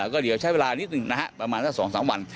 ก็เดี๋ยวใช้เวลานิดหนึ่งนะฮะประมาณสัก๒๓วัน